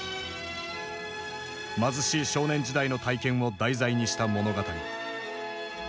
貧しい少年時代の体験を題材にした物語。